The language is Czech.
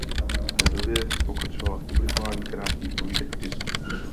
V té době pokračovala v publikování krátkých povídek v tisku.